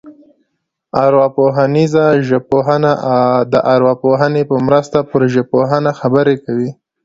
ارواپوهنیزه ژبپوهنه د ارواپوهنې په مرسته پر ژبپوهنه خبرې کوي